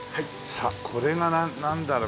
さあこれがなんだろう？